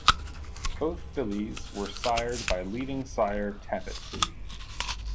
Both fillies were sired by leading sire Tapit.